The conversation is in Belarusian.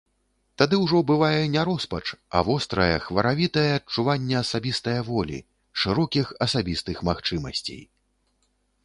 Тады ўжо бывае не роспач, а вострае, хваравітае адчуванне асабістае волі, шырокіх асабістых магчымасцей.